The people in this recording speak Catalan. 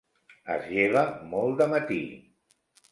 Es lleva molt de matí.